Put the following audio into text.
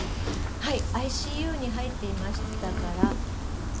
はい、ＩＣＵに入っていましたから。